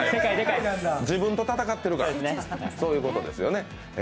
自分と戦ってるから、そういうことですよね。